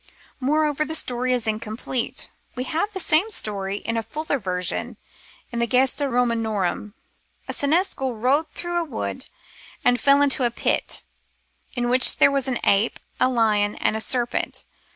Moreover the story is incomplete. We have the same story in a fuller form in the Gesta Romanorum. A seneschal rode through a wood and fell into a pit, in which were an ape, a lion, and a serpent.